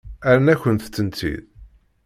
Rran-akent-tent-id?